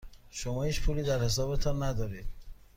شما هیچ پولی در حسابتان ندارید.